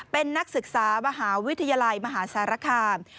เป็นนักศึกษามหาวิทยาลัยมหาสารคาม